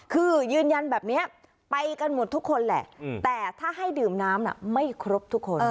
คือยืนยันแบบนี้ไปกันหมดทุกคนแหละแต่ถ้าให้ดื่มน้ำไม่ครบทุกคน